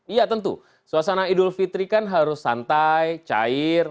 iya tentu suasana idul fitri kan harus santai cair